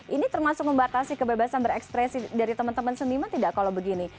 ini termasuk membatasi kebebasan berekspresi dari teman teman seniman tidak kalau begini